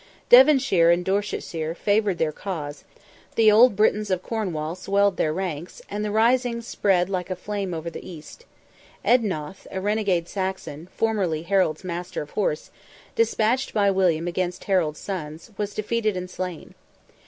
Devonshire and Dorsetshire favoured their cause; the old Britons of Cornwall swelled their ranks, and the rising spread like flame over the west. Eadnoth, a renegade Saxon, formerly Harold's Master of Horse, despatched by William against Harold's sons, was defeated and slain.